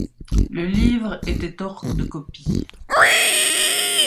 Le livre était hors de copie.